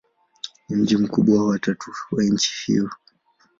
Ni mji mkubwa wa tatu wa nchi hiyo.